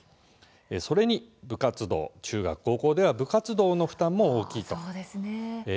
それに中学・高校では部活動の負担も大きいです。